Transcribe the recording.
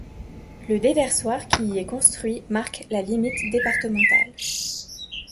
Le déversoir qui y est construit marque la limite départementale.